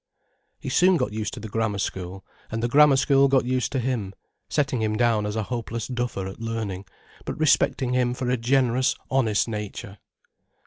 He soon got used to the Grammar School, and the Grammar School got used to him, setting him down as a hopeless duffer at learning, but respecting him for a generous, honest nature.